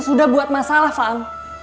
sudah buat masalah fa'ang